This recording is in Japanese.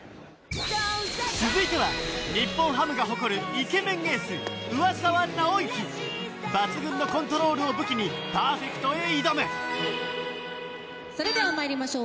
続いては日本ハムが誇るイケメンエース抜群のコントロールを武器にパーフェクトへ挑むそれでは参りましょう。